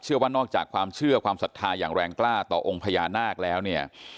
ว่านอกจากความเชื่อความศรัทธาอย่างแรงกล้าต่อองค์พญานาคแล้วเนี่ย